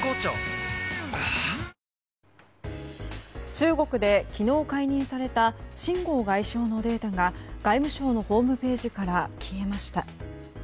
中国で昨日解任されたシン・ゴウ外相のデータが外務省のホームページから消えました。